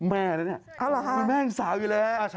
แม่นะเนี่ยคุณแม่ยังสาวอยู่แล้ว